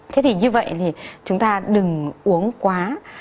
thế thì như vậy thì chúng ta đừng uống quá